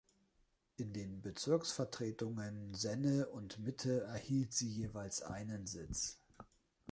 In den Bezirksvertretungen Senne und Mitte erhielt sie jeweils einen Sitz.